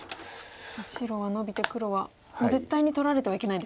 白はノビて黒はもう絶対に取られていけないですよね